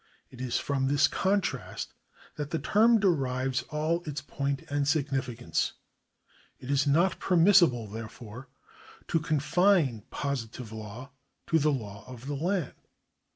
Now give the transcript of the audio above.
It is from this contrast that the term derives all its point and significance. It is not permissible, therefore, to confine positive law to the law of the land.